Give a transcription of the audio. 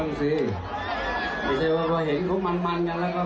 โอ้ใช้สตีบนั่งสิไม่ใช่ว่าพอเห็นเขามันมันกันแล้วก็